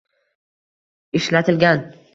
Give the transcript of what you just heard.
ishlatilgan